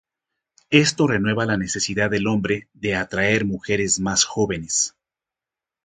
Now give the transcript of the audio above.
Esto renueva la necesidad del hombre de atraer mujeres más jóvenes.